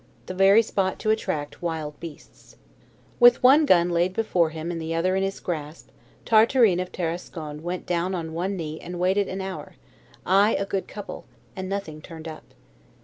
The very spot to attract wild beasts. With one gun laid before him and the other in his grasp, Tartarin of Tarascon went down on one knee and waited an hour, ay, a good couple, and nothing turned up.